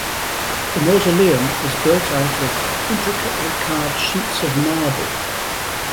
The mausoleum is built out of intricately carved sheets of marble.